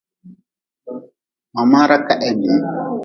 Ma maara ka he bii.